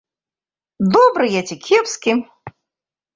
Добры я ці кепскі.